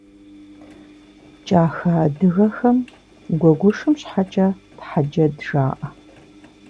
Кӏахэ адыгэхэм гуэгушым щхьэкӏэ тхьэджэд жаӏэ.